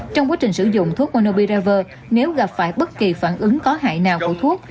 trong quá trình sử dụng thuốc monobiraver nếu gặp phải bất kỳ phản ứng có hại nào của thuốc